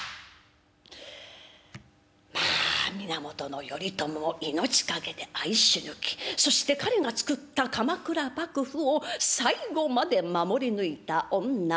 まあ源頼朝を命懸けで愛し抜きそして彼が作った鎌倉幕府を最後まで守り抜いた女